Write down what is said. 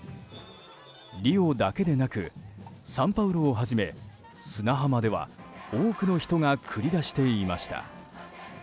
リオだけでなくサンパウロをはじめ砂浜では多くの人が繰り出していました。